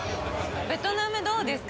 ベトナム、どうですか？